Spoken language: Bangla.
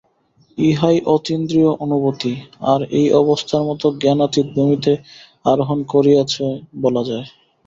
ইহাই অতীন্দ্রিয় অনুভূতি, আর এই অবস্থায় মন জ্ঞানাতীত ভূমিতে আরোহণ করিয়াছে বলা যায়।